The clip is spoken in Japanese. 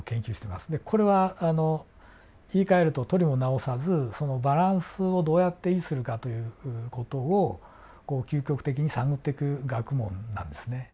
これは言いかえるととりもなおさずそのバランスをどうやって維持するかという事を究極的に探っていく学問なんですね。